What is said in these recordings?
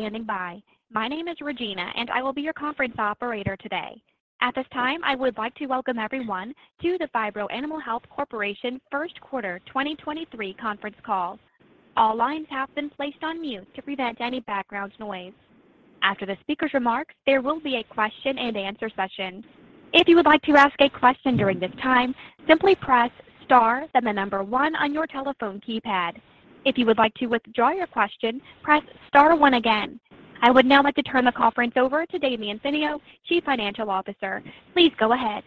Hello, and thank you for standing by. My name is Regina, and I will be your conference operator today. At this time, I would like to welcome everyone to the Phibro Animal Health Corporation First Quarter 2023 conference call. All lines have been placed on mute to prevent any background noise. After the speaker's remarks, there will be a question and answer session. If you would like to ask a question during this time, simply press star, then the number one on your telephone keypad. If you would like to withdraw your question, press star one again. I would now like to turn the conference over to Damian Finio, Chief Financial Officer. Please go ahead.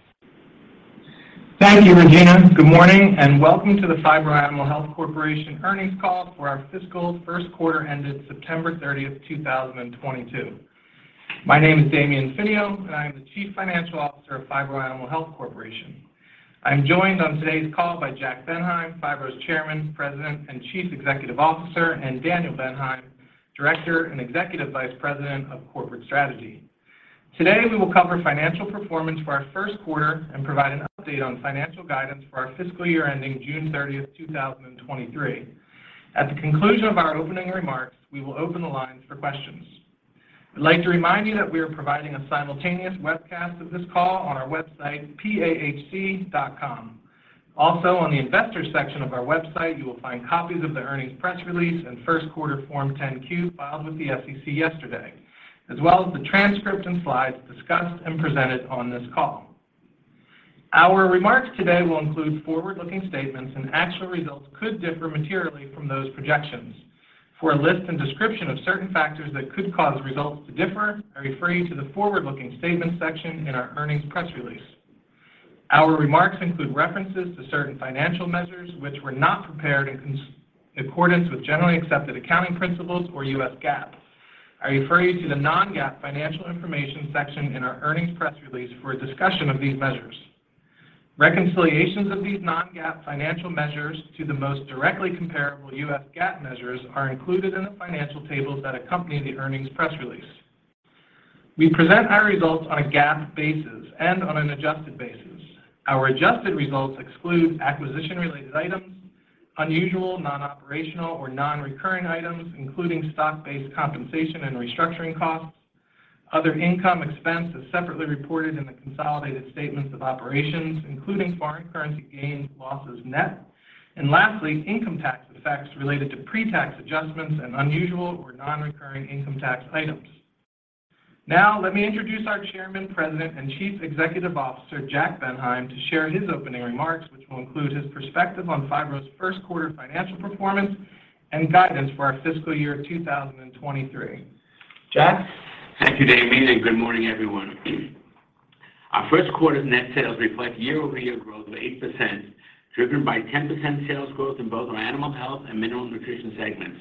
Thank you, Regina. Good morning and welcome to the Phibro Animal Health Corporation earnings call for our fiscal first quarter ended September 30, 2022. My name is Damian Finio, and I am the Chief Financial Officer of Phibro Animal Health Corporation. I'm joined on today's call by Jack Bendheim, Phibro's Chairman, President, and Chief Executive Officer, and Daniel Bendheim, Director and Executive Vice President of Corporate Strategy. Today, we will cover financial performance for our first quarter and provide an update on financial guidance for our fiscal year ending June 30, 2023. At the conclusion of our opening remarks, we will open the lines for questions. I'd like to remind you that we are providing a simultaneous webcast of this call on our website, pahc.com. Also, on the Investors section of our website, you will find copies of the earnings press release and first quarter Form 10-Q filed with the SEC yesterday, as well as the transcript and slides discussed and presented on this call. Our remarks today will include forward-looking statements and actual results could differ materially from those projections. For a list and description of certain factors that could cause results to differ, I refer you to the forward-looking statements section in our earnings press release. Our remarks include references to certain financial measures which were not prepared in accordance with generally accepted accounting principles or US GAAP. I refer you to the Non-GAAP financial information section in our earnings press release for a discussion of these measures. Reconciliations of these Non-GAAP financial measures to the most directly comparable US GAAP measures are included in the financial tables that accompany the earnings press release. We present our results on a GAAP basis and on an adjusted basis. Our adjusted results exclude acquisition-related items, unusual non-operational or non-recurring items, including stock-based compensation and restructuring costs. Other income expense is separately reported in the consolidated statements of operations, including foreign currency gains, losses, net, and lastly, income tax effects related to pre-tax adjustments and unusual or non-recurring income tax items. Now, let me introduce our Chairman, President, and Chief Executive Officer, Jack Bendheim, to share his opening remarks, which will include his perspective on Phibro's first quarter financial performance and guidance for our fiscal year 2023. Jack. Thank you, Damian, and good morning, everyone. Our first quarter's net sales reflect year-over-year growth of 8%, driven by 10% sales growth in both our Animal Health and Mineral Nutrition segments,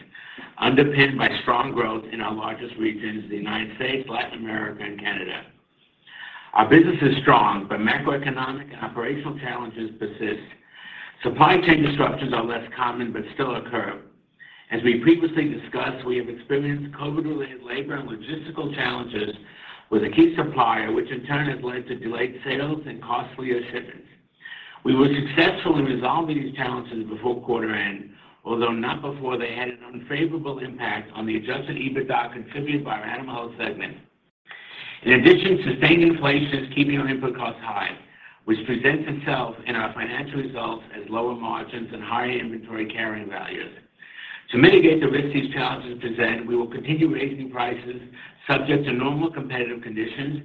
underpinned by strong growth in our largest regions, the United States, Latin America, and Canada. Our business is strong, but macroeconomic and operational challenges persist. Supply chain disruptions are less common but still occur. As we previously discussed, we have experienced COVID-related labor and logistical challenges with a key supplier, which in turn has led to delayed sales and costlier shipments. We will successfully resolve these challenges before quarter end, although not before they had an unfavorable impact on the adjusted EBITDA contributed by our Animal Health segment. In addition, sustained inflation is keeping our input costs high, which presents itself in our financial results as lower margins and higher inventory carrying values. To mitigate the risk these challenges present, we will continue raising prices subject to normal competitive conditions,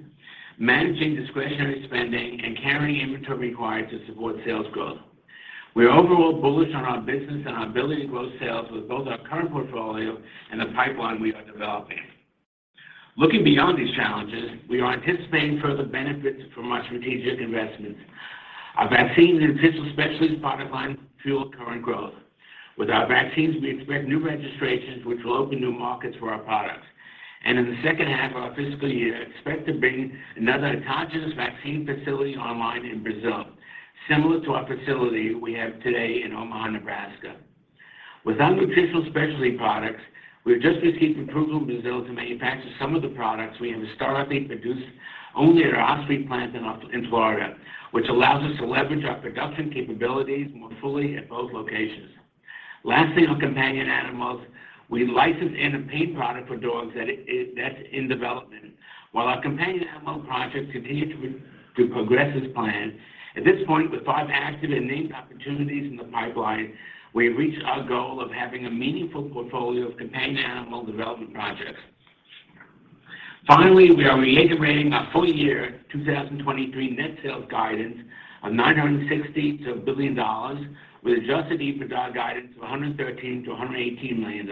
managing discretionary spending and carrying inventory required to support sales growth. We are overall bullish on our business and our ability to grow sales with both our current portfolio and the pipeline we are developing. Looking beyond these challenges, we are anticipating further benefits from our strategic investments. Our Vaccines and Nutritional Specialties product line fuel current growth. With our Vaccines, we expect new registrations which will open new markets for our products. In the second half of our fiscal year, expect to bring another autogenous vaccine facility online in Brazil, similar to our facility we have today in Omaha, Nebraska. With our Nutritional Specialties products, we have just received approval in Brazil to manufacture some of the products we historically produced only at our Osprey plant in Florida, which allows us to leverage our production capabilities more fully at both locations. Lastly, on companion animals, we licensed in a pain product for dogs that's in development. While our companion animal projects continue to progress as planned, at this point, with five active and named opportunities in the pipeline, we have reached our goal of having a meaningful portfolio of companion animal development projects. Finally, we are reiterating our full year 2023 net sales guidance of $960 million-$1 billion with adjusted EBITDA guidance of $113-$118 million.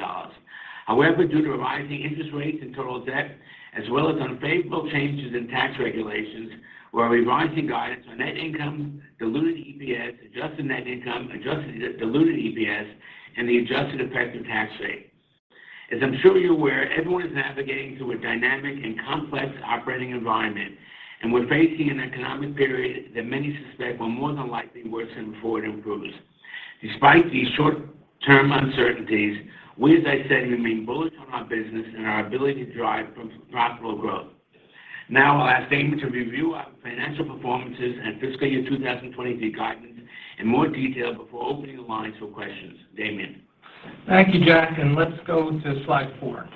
However, due to rising interest rates and total debt, as well as unfavorable changes in tax regulations, we're revising guidance on net income, diluted EPS, adjusted net income, adjusted diluted EPS, and the adjusted effective tax rate. As I'm sure you're aware, everyone is navigating through a dynamic and complex operating environment, and we're facing an economic period that many suspect will more than likely worsen before it improves. Despite these short-term uncertainties, we, as I said, remain bullish on our business and our ability to drive profitable growth. Now I'll ask Damian to review our financial performance and fiscal year 2023 guidance in more detail before opening the lines for questions. Damian. Thank you, Jack, and let's go to slide four.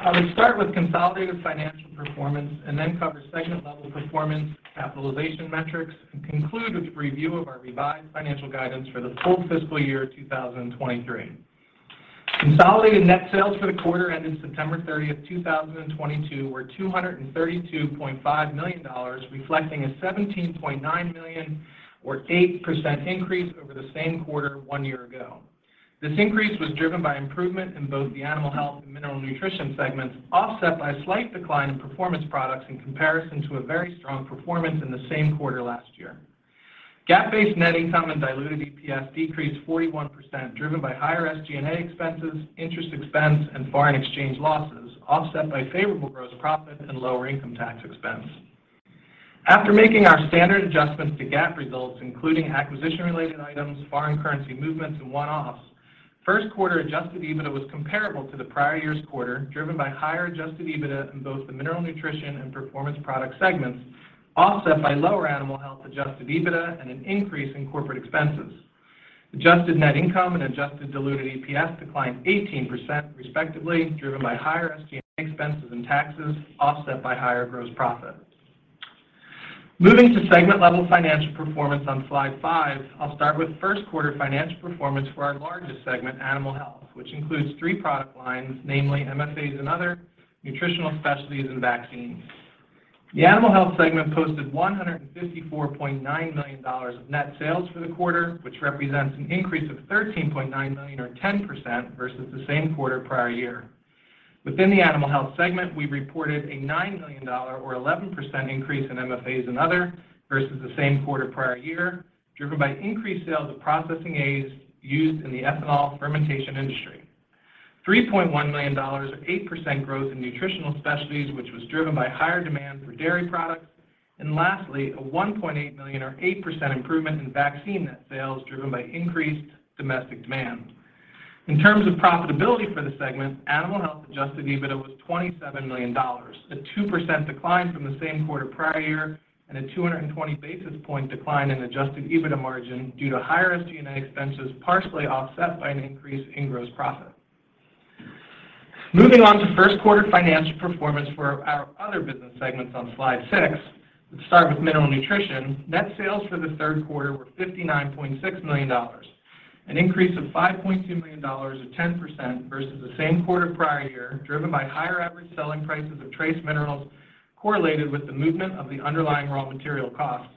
I'll start with consolidated financial performance and then cover segment-level performance, capitalization metrics, and conclude with a review of our revised financial guidance for the full fiscal year 2023. Consolidated net sales for the quarter ending September 30, 2022 were $232.5 million, reflecting a $17.9 million or 8% increase over the same quarter one year ago. This increase was driven by improvement in both the Animal Health and Mineral Nutrition segments, offset by a slight decline in Performance Products in comparison to a very strong performance in the same quarter last year. GAAP-based net income and diluted EPS decreased 41%, driven by higher SG&A expenses, interest expense, and foreign exchange losses, offset by favorable gross profit and lower income tax expense. After making our standard adjustments to GAAP results, including acquisition-related items, foreign currency movements, and one-offs, first quarter adjusted EBITDA was comparable to the prior year's quarter, driven by higher adjusted EBITDA in both the Mineral Nutrition and Performance Products segments, offset by lower Animal Health adjusted EBITDA and an increase in corporate expenses. Adjusted net income and adjusted diluted EPS declined 18% respectively, driven by higher SG&A expenses and taxes, offset by higher gross profit. Moving to segment-level financial performance on slide 5, I'll start with first quarter financial performance for our largest segment, Animal Health, which includes three product lines, namely MFAs and other Nutritional Specialties and Vaccines. The Animal Health segment posted $154.9 million of net sales for the quarter, which represents an increase of $13.9 million or 10% versus the same quarter prior year. Within the Animal Health segment, we reported a $9 million or 11% increase in MFAs and other versus the same quarter prior year, driven by increased sales of Process Aids used in the ethanol fermentation industry. $3.1 million or 8% growth in Nutritional Specialties, which was driven by higher demand for dairy products. Lastly, a $1.8 million or 8% improvement in vaccine net sales driven by increased domestic demand. In terms of profitability for the segment, Animal Health adjusted EBITDA was $27 million, a 2% decline from the same quarter prior year and a 220 basis point decline in adjusted EBITDA margin due to higher SG&A expenses, partially offset by an increase in gross profit. Moving on to first quarter financial performance for our other business segments on slide 6. Let's start with Mineral Nutrition. Net sales for the third quarter were $59.6 million, an increase of $5.2 million or 10% versus the same quarter prior year, driven by higher average selling prices of trace minerals correlated with the movement of the underlying raw material costs.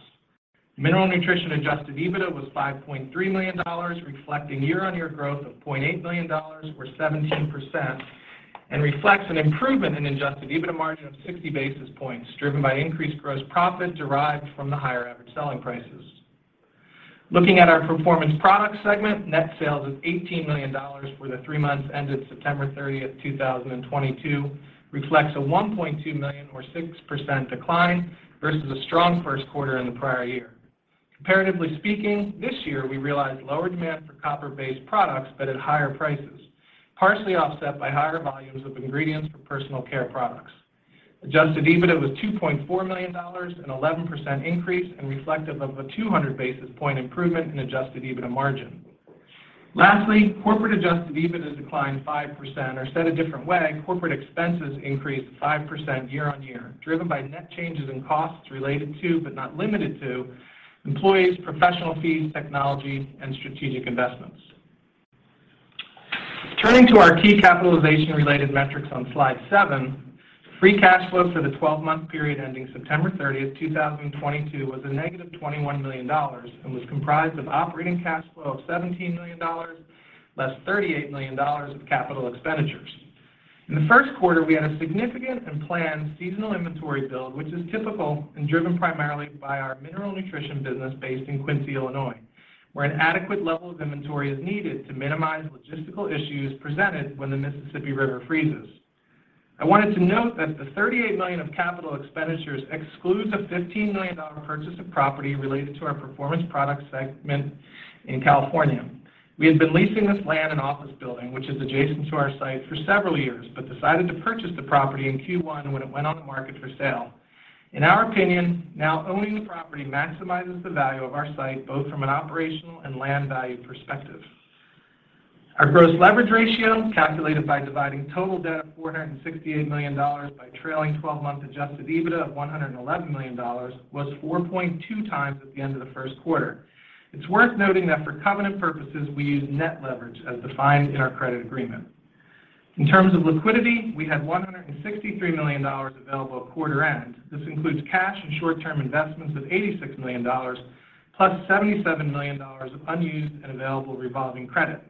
Mineral Nutrition adjusted EBITDA was $5.3 million, reflecting year-on-year growth of $0.8 million or 17%, and reflects an improvement in adjusted EBITDA margin of 60 basis points, driven by increased gross profit derived from the higher average selling prices. Looking at our Performance Products segment, net sales of $18 million for the three months ended September 30, 2022 reflects a $1.2 million or 6% decline versus a strong first quarter in the prior year. Comparatively speaking, this year, we realized lower demand for copper-based products but at higher prices, partially offset by higher volumes of ingredients for personal care products. Adjusted EBITDA was $2.4 million, an 11% increase, and reflective of a 200 basis point improvement in adjusted EBITDA margin. Lastly, corporate adjusted EBITDA declined 5%, or said a different way, corporate expenses increased 5% year-on-year, driven by net changes in costs related to, but not limited to, employees, professional fees, technology, and strategic investments. Turning to our key capitalization-related metrics on slide seven, free cash flow for the 12-month period ending September 30, 2022 was a negative $21 million and was comprised of operating cash flow of $17 million, less $38 million of capital expenditures. In the first quarter, we had a significant and planned seasonal inventory build, which is typical and driven primarily by our Mineral Nutrition business based in Quincy, Illinois, where an adequate level of inventory is needed to minimize logistical issues presented when the Mississippi River freezes. I wanted to note that the $38 million of capital expenditures excludes a $15 million purchase of property related to our Performance Products segment in California. We had been leasing this land and office building, which is adjacent to our site for several years, but decided to purchase the property in Q1 when it went on the market for sale. In our opinion, now owning the property maximizes the value of our site, both from an operational and land value perspective. Our gross leverage ratio, calculated by dividing total debt of $468 million by trailing twelve-month adjusted EBITDA of $111 million, was 4.2x at the end of the first quarter. It's worth noting that for covenant purposes, we use net leverage as defined in our credit agreement. In terms of liquidity, we had $163 million available at quarter end. This includes cash and short-term investments of $86 million, plus $77 million of unused and available revolving credit.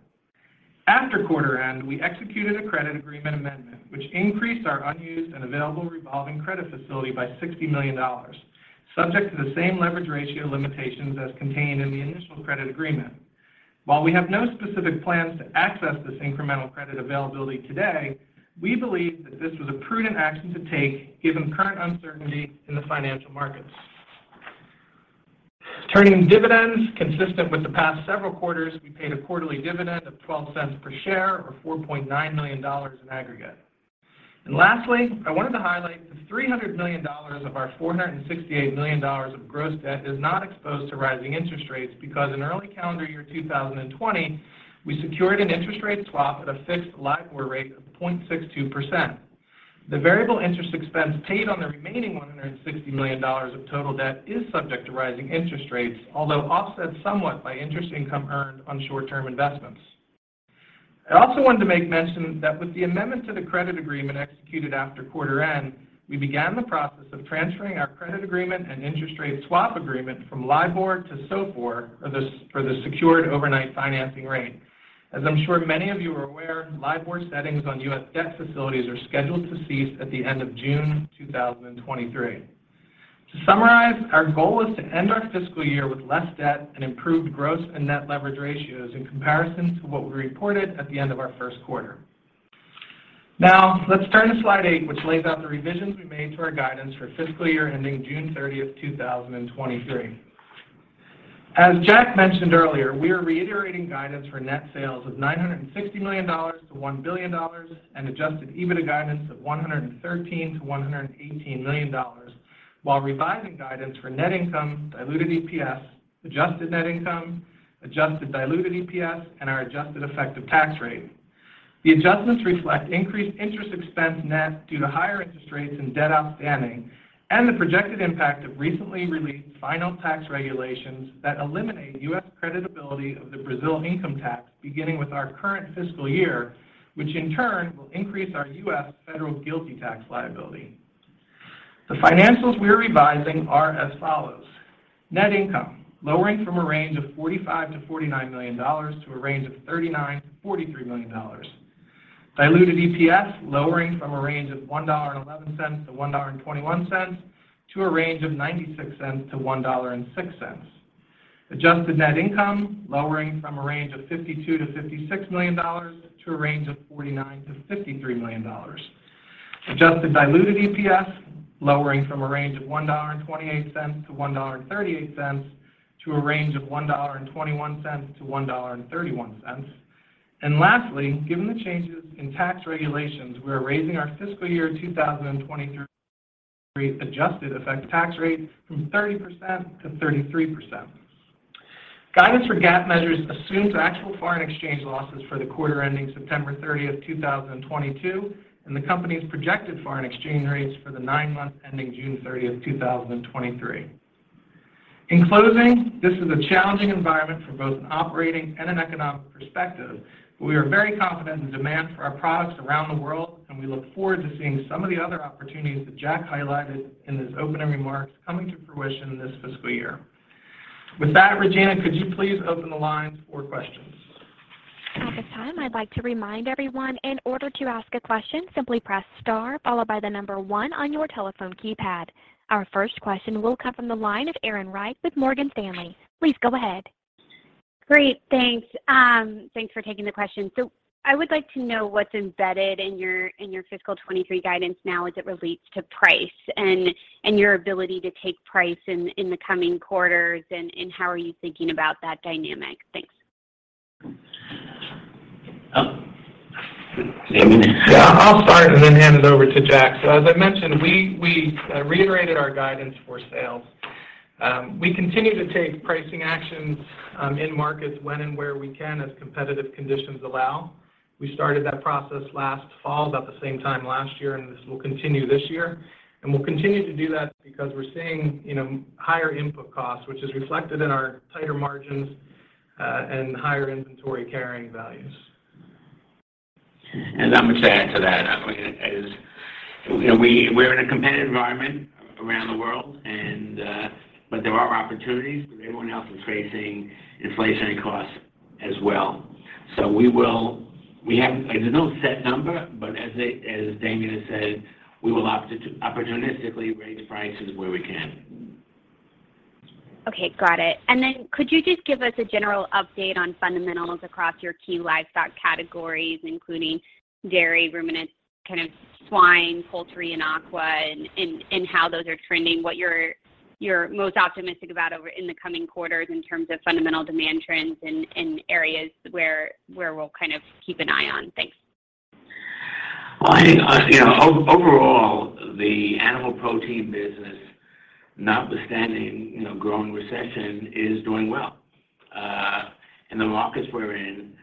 After quarter end, we executed a credit agreement amendment, which increased our unused and available revolving credit facility by $60 million, subject to the same leverage ratio limitations as contained in the initial credit agreement. While we have no specific plans to access this incremental credit availability today, we believe that this was a prudent action to take given current uncertainty in the financial markets. Turning to dividends. Consistent with the past several quarters, we paid a quarterly dividend of $0.12 per share or $4.9 million in aggregate. Lastly, I wanted to highlight the $300 million of our $468 million of gross debt is not exposed to rising interest rates because in early calendar year 2020, we secured an interest rate swap at a fixed LIBOR rate of 0.62%. The variable interest expense paid on the remaining $160 million of total debt is subject to rising interest rates, although offset somewhat by interest income earned on short-term investments. I also wanted to make mention that with the amendment to the credit agreement executed after quarter end, we began the process of transferring our credit agreement and interest rate swap agreement from LIBOR to SOFR, or the Secured Overnight Financing Rate. As I'm sure many of you are aware, LIBOR settings on U.S. debt facilities are scheduled to cease at the end of June 2023. To summarize, our goal is to end our fiscal year with less debt and improved gross and net leverage ratios in comparison to what we reported at the end of our first quarter. Now, let's turn to slide 8, which lays out the revisions we made to our guidance for fiscal year ending June 30, 2023. As Jack mentioned earlier, we are reiterating guidance for net sales of $960 million-$1 billion and adjusted EBITDA guidance of $113 million-$118 million, while revising guidance for net income, diluted EPS, adjusted net income, adjusted diluted EPS, and our adjusted effective tax rate. The adjustments reflect increased interest expense net due to higher interest rates and debt outstanding and the projected impact of recently released final tax regulations that eliminate U.S. creditability of the Brazil income tax beginning with our current fiscal year, which in turn will increase our U.S. federal GILTI tax liability. The financials we are revising are as follows. Net income, lowering from a range of $45 million-$49 million to a range of $39 million-$43 million. Diluted EPS, lowering from a range of $1.11-$1.21 to a range of $0.96-$1.06. Adjusted net income, lowering from a range of $52 million-$56 million to a range of $49 million-$53 million. Adjusted diluted EPS, lowering from a range of $1.28-$1.38 to a range of $1.21-$1.31. Lastly, given the changes in tax regulations, we are raising our fiscal year 2023 adjusted effective tax rate from 30% to 33%. Guidance for GAAP measures assumes actual foreign exchange losses for the quarter ending September 30, 2022, and the company's projected foreign exchange rates for the nine months ending June 30, 2023. In closing, this is a challenging environment from both an operating and an economic perspective, but we are very confident in demand for our products around the world, and we look forward to seeing some of the other opportunities that Jack highlighted in his opening remarks coming to fruition this fiscal year. With that, Regina, could you please open the lines for questions? At this time, I'd like to remind everyone, in order to ask a question, simply press star followed by the number one on your telephone keypad. Our first question will come from the line of Erin Wright with Morgan Stanley. Please go ahead. Great. Thanks. Thanks for taking the question. I would like to know what's embedded in your fiscal 2023 guidance now as it relates to price and your ability to take price in the coming quarters, and how are you thinking about that dynamic? Thanks. Oh. I'll start and then hand it over to Jack. As I mentioned, we reiterated our guidance for sales. We continue to take pricing actions in markets when and where we can as competitive conditions allow. We started that process last fall, about the same time last year, and this will continue this year. We'll continue to do that because we're seeing, you know, higher input costs, which is reflected in our tighter margins and higher inventory carrying values. I'm going to add to that. I mean, as you know, we're in a competitive environment around the world and but there are opportunities because everyone else is facing inflationary costs as well. There's no set number, but as Damian has said, we will opportunistically raise prices where we can. Okay. Got it. Could you just give us a general update on fundamentals across your key livestock categories, including dairy, ruminant, kind of swine, poultry, and aqua, and how those are trending, what you're most optimistic about over in the coming quarters in terms of fundamental demand trends in areas where we'll kind of keep an eye on? Thanks. Well, I think, you know, overall, the animal protein business, notwithstanding, you know, growing recession, is doing well. In the markets we're in,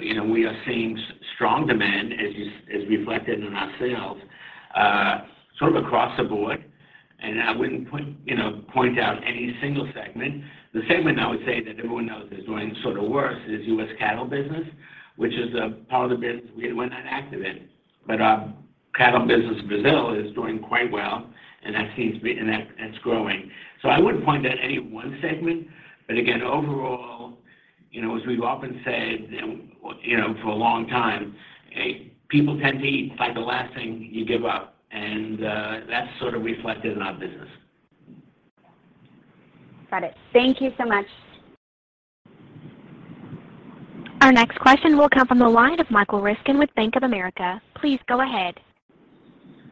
you know, we are seeing strong demand as is, as reflected in our sales, sort of across the board. I wouldn't point out any single segment. The segment I would say that everyone knows is doing sort of worse is U.S. cattle business, which is a part of the business we're not active in. Our cattle business in Brazil is doing quite well, and it's growing. I wouldn't point at any one segment. Again, overall, you know, as we've often said, you know, for a long time, people tend to eat. It's like the last thing you give up. That's sort of reflected in our business. Got it. Thank you so much. Our next question will come from the line of Michael Ryskin with Bank of America. Please go ahead.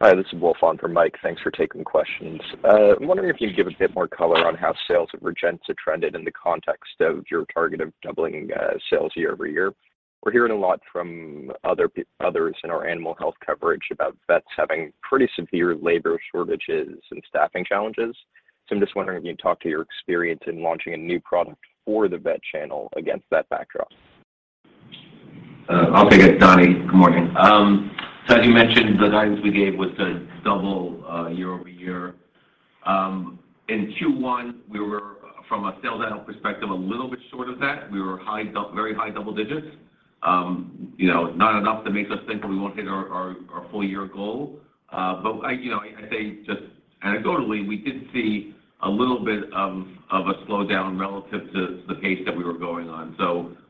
Hi, this is Wolf on for Mike. Thanks for taking questions. I'm wondering if you can give a bit more color on how sales of Rejensa trended in the context of your target of doubling, sales year-over-year. We're hearing a lot from others in our animal health coverage about vets having pretty severe labor shortages and staffing challenges. I'm just wondering if you can talk to your experience in launching a new product for the vet channel against that backdrop. I'll take it. Donny. Good morning. As you mentioned, the guidance we gave was to double year-over-year. In Q1, we were, from a sales health perspective, a little bit short of that. We were very high double-digit. You know, not enough to make us think we won't hit our full year goal. I, you know, I'd say just anecdotally, we did see a little bit of a slowdown relative to the pace that we were going on.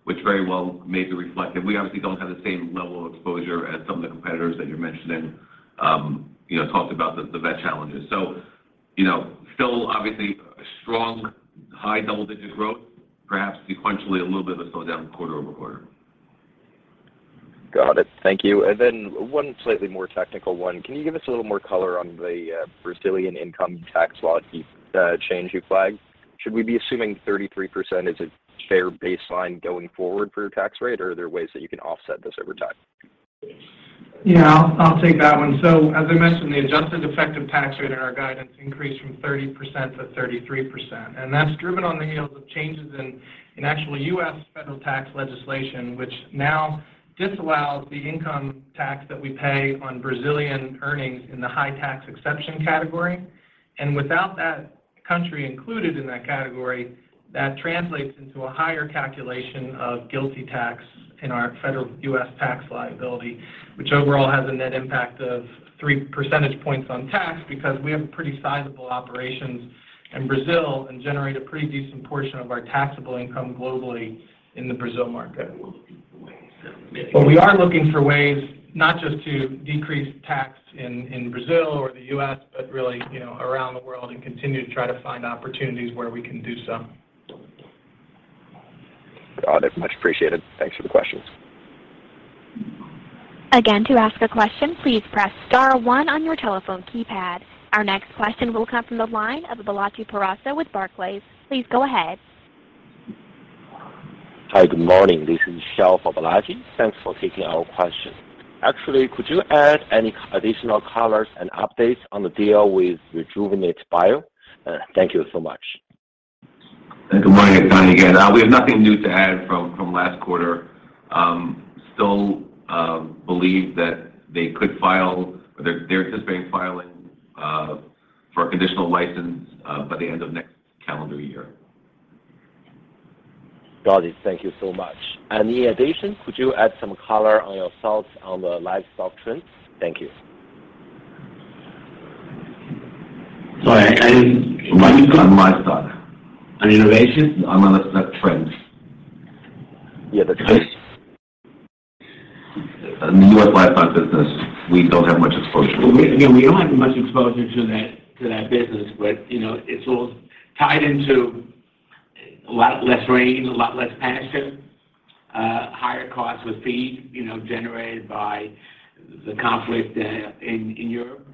Which very well may be reflected. We obviously don't have the same level of exposure as some of the competitors that you're mentioning, you know, talked about the vet challenges. You know, still obviously strong high double-digit growth, perhaps sequentially a little bit of a slowdown quarter-over-quarter. Got it. Thank you. One slightly more technical one. Can you give us a little more color on the Brazilian income tax law change you flagged? Should we be assuming 33% is a fair baseline going forward for your tax rate, or are there ways that you can offset this over time? Yeah, I'll take that one. As I mentioned, the adjusted effective tax rate in our guidance increased from 30% to 33%. That's driven on the heels of changes in actual US federal tax legislation, which now disallows the income tax that we pay on Brazilian earnings in the high tax exception category. Without that country included in that category, that translates into a higher calculation of GILTI tax in our federal US tax liability, which overall has a net impact of three percentage points on tax because we have pretty sizable operations in Brazil and generate a pretty decent portion of our taxable income globally in the Brazil market. We are looking for ways not just to decrease tax in Brazil or the U.S., but really, you know, around the world and continue to try to find opportunities where we can do so. Got it. Much appreciated. Thanks for the questions. Again, to ask a question, please press star one on your telephone keypad. Our next question will come from the line of Balaji Prasad with Barclays. Please go ahead. Hi, good morning. This is Shel for Balaji. Thanks for taking our question. Actually, could you add any additional colors and updates on the deal with Rejuvenate Bio? Thank you so much. Good morning. It's Donny again. We have nothing new to add from last quarter. Still believe that they could file or they're anticipating filing for a conditional license by the end of next calendar year. Got it. Thank you so much. In addition, could you add some color on your thoughts on the livestock trends? Thank you. Sorry, I didn't. Livestock. On livestock. On innovations? On the livestock trends. Yeah, the trends. In the U.S. livestock business, we don't have much exposure. We again don't have much exposure to that business. You know, it's all tied into a lot less rain, a lot less pasture, higher costs with feed, you know, generated by the conflict in Europe.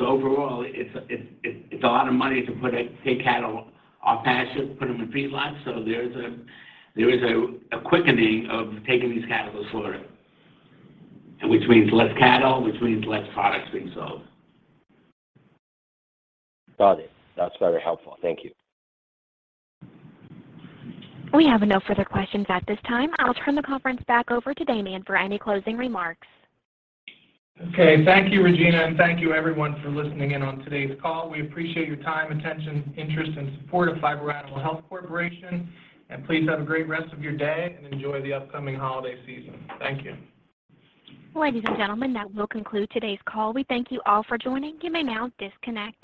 Overall it's a lot of money to take cattle off pasture, put them in feedlots. There is a quickening of taking these cattle to slaughter, which means less cattle, which means less products being sold. Got it. That's very helpful. Thank you. We have no further questions at this time. I'll turn the conference back over to Damian for any closing remarks. Okay. Thank you, Regina, and thank you everyone for listening in on today's call. We appreciate your time, attention, interest and support of Phibro Animal Health Corporation. Please have a great rest of your day and enjoy the upcoming holiday season. Thank you. Ladies and gentlemen, that will conclude today's call. We thank you all for joining. You may now disconnect.